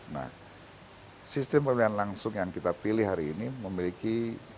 nah sistem pemilihan langsung yang kita pilih hari ini memiliki